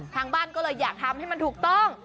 ทางบ้านก็เลยอยากทำให้มันถูกต้อง